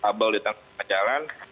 kabel di tengah tengah jalan